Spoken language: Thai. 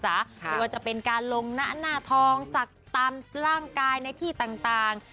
ไม่ว่าจะเป็นการลงหน้าหน้าทองสักตามร่างกายในที่ต่าง